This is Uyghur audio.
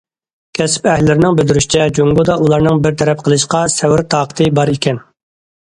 كەسىپ ئەھلىلىرىنىڭ بىلدۈرۈشىچە« جۇڭگودا ئۇلارنىڭ بىر تەرەپ قىلىشقا سەۋر تاقىتى بار ئىكەن».